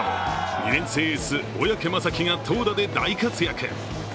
２年生エース、小宅雅己が投打で大活躍。